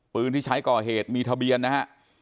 ปืนที่ใช้ก่อเหตุมีทะเบียนนะฮะ